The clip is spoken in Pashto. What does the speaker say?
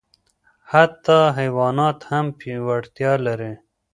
حتی حیوانات هم وړتیا لري.